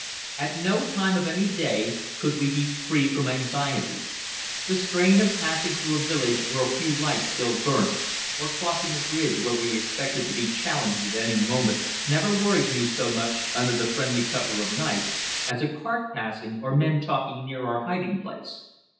At no time of any day could we be free from anxiety. The strain of passing through a village where a few lights still burnt, or crossing a bridge where we expected to be challenged at any moment, never worried me so much, under the friendly cover of night, as a cart passing or men talking near our hiding place.